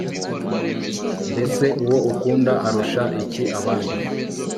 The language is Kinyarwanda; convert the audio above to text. mbese uwo ukunda arusha iki abandi